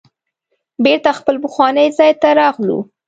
بیرته خپل پخواني ځای ته راغلو.